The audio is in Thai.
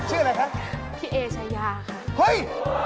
เห้ย